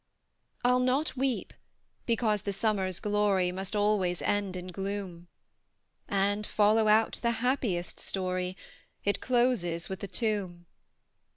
I'll not weep, because the summer's glory Must always end in gloom; And, follow out the happiest story It closes with a tomb!